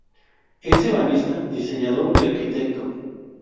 Es ebanista, diseñador y arquitecto.